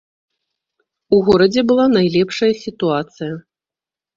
У горадзе была найлепшая сітуацыя.